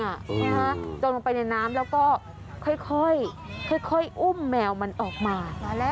ใช่ไหมคะจมลงไปในน้ำแล้วก็ค่อยอุ้มแมวมันออกมา